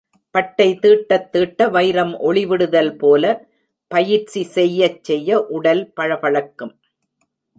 பட்டை தீட்டத் தீட்ட வைரம் ஒளிவிடுதல் போல, பயிற்சி செய்யச் செய்ய உடல் பளபளக்கும்.